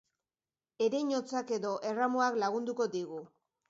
Ereinotzak edo erramuak lagunduko digu.